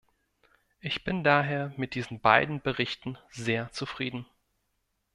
Ich bin daher mit diesen beiden Berichten sehr zufrieden.